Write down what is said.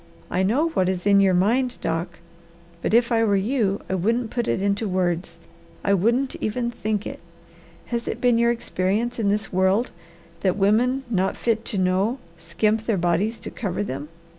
I know what is in your mind, Doc, but if I were you I wouldn't put it into words, and I wouldn't even THINK it. Has it been your experience in this world that women not fit to know skimp their bodies to cover them?